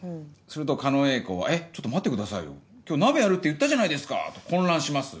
すると狩野英孝は「えちょっと待ってくださいよ今日鍋やるって言ったじゃないですか！」と混乱します。